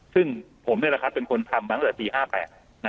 ซึ่งผมเนี่ยแหละครับเป็นคนทำมาตั้งแต่ปีห้าแปดนะครับ